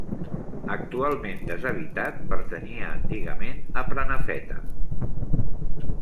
Actualment deshabitat, pertanyia antigament a Prenafeta.